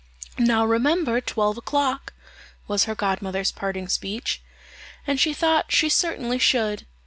"Now remember twelve o'clock," was her godmother's parting speech; and she thought she certainly should.